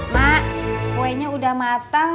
mak kuenya udah matang